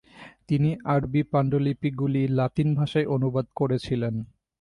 তিনি আরবী পাণ্ডুলিপিগুলি লাতিন ভাষায় অনুবাদ করেছিলেন।